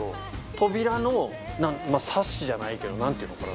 扉のサッシじゃないけど何て言うのかな。